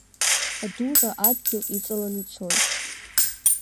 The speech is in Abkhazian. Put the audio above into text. Адура адгьыл иҵалан ицоит.